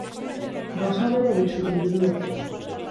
Gauza bera egin zuten juduek.